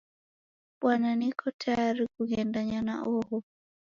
Bwana neko tayari kughendanya na oho.